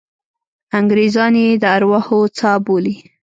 انګریزان یې د ارواحو څاه بولي.